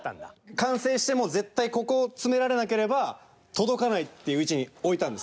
完成しても絶対ここ詰められなければ届かないっていう位置に置いたんです。